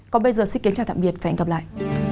còn bây giờ xin kính chào tạm biệt và hẹn gặp lại